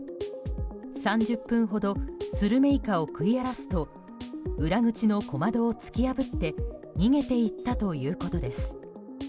３０分ほどスルメイカを食い荒らすと裏口の小窓を突き破って逃げていったということです。